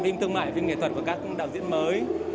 phim thương mại phim nghệ thuật của các đạo diễn mới